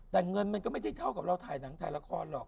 แต่เงินมันก็ไม่ได้เท่ากับเราถ่ายหนังถ่ายละครหรอก